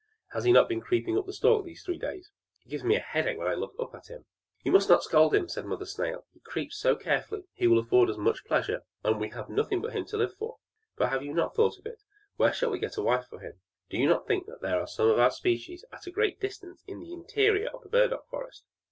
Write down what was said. Has he not been creeping up that stalk these three days? It gives me a headache when I look up to him!" "You must not scold him," said Mother Snail. "He creeps so carefully; he will afford us much pleasure and we have nothing but him to live for! But have you not thought of it? Where shall we get a wife for him? Do you not think that there are some of our species at a great distance in the interior of the burdock forest?"